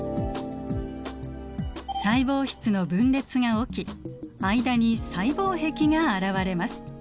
細胞質の分裂が起き間に細胞壁が現れます。